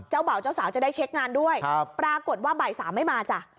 เบาเจ้าสาวจะได้เช็คงานด้วยปรากฏว่าบ่ายสามไม่มาจ้ะ